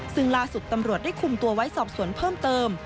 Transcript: ซึ่งล่าสุดตำรวจได้คุมตัวไว้สอบสวนเพิ่มเติม